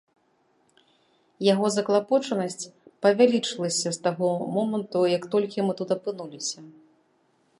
Яго заклапочанасць павялічылася з таго моманту, як толькі мы тут апынуліся.